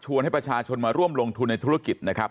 ให้ประชาชนมาร่วมลงทุนในธุรกิจนะครับ